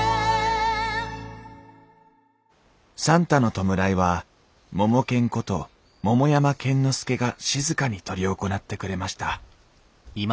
算太の弔いはモモケンこと桃山剣之介が静かに執り行ってくれました